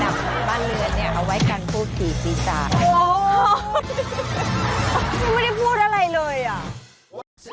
คาดาปบ้านเรือนเนี่ยเอาไว้กันผู้ถี่ฟีตาย